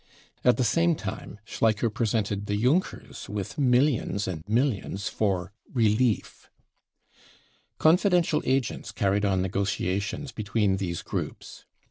At the same time, Schleicher presented the Junkers with millions and millions for " relief" w Confidential agents carried on negotiations between these groups.